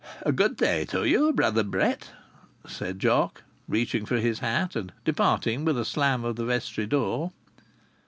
"A good day to ye, Brother Brett," said Jock, reaching for his hat, and departing with a slam of the vestry door.